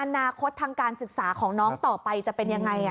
อนาคตทางการศึกษาของน้องต่อไปจะเป็นยังไง